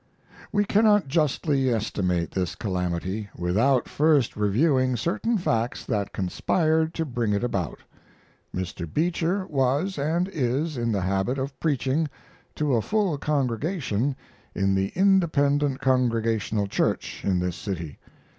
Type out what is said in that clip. We cannot justly estimate this calamity, without first reviewing certain facts that conspired to bring it about. Mr. Beecher was and is in the habit of preaching to a full congregation in the Independent Congregational Church, in this city.